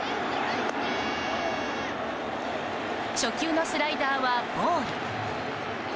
初球のスライダーはボール。